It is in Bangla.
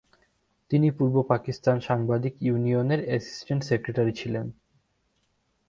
তিনি পূর্ব পাকিস্তান সাংবাদিক ইউনিয়নের অ্যাসিস্ট্যান্ট সেক্রেটারি ছিলেন।